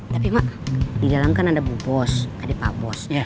tapi pak di dalam kan ada bu bos ada pak bos